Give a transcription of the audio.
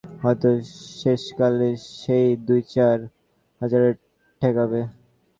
হয়তো শেষকালে সেই দু-চার হাজারেই ঠেকবে।